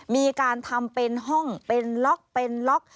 มีการทำเป็นห้องเป็นล็อกเป็นล็อก